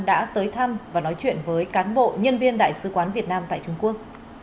đã tới thăm và nói chuyện với cán bộ nhân viên đại sứ quán việt nam tại trung quốc